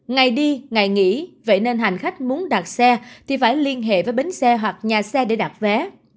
ngày đi ngày nghỉ vậy nên hành khách muốn đặt xe thì phải liên hệ với bến xe hoặc nhà xe để đặt vé